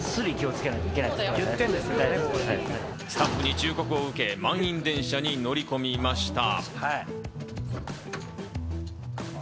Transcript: スタッフに忠告を受け、満員電車に乗り込みました。